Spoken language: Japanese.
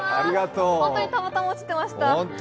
本当にたまたま落ちてました。